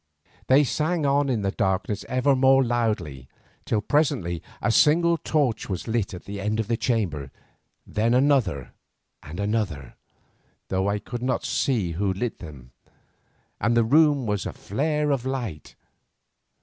They sang on in the darkness ever more loudly, till presently a single torch was lit at the end of the chamber, then another and another, though I could not see who lit them, and the room was a flare of light.